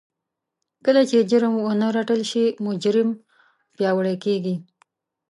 کله چې جرم ونه رټل شي مجرم پياوړی کېږي.